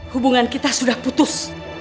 hubungan kita sudah putus